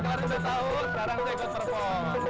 sekarang saya got terpon